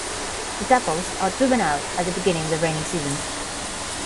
The devils are driven out at the beginning of the rainy season.